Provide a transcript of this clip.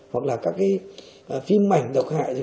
hoặc là các cái phim mảnh độc hại